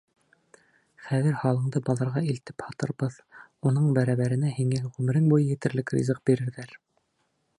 Хәҙер һалыңды баҙарға илтеп һатырбыҙ, уның бәрәбәренә һиңә ғүмерең буйы етерлек ризыҡ бирерҙәр.